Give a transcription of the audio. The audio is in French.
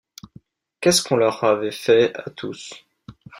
Qu’est-ce qu’on leur avait fait, à tous?